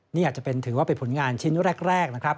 นี่อาจจะถือว่าเป็นผลงานชิ้นแรกนะครับ